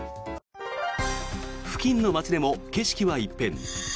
付近の街でも景色は一変。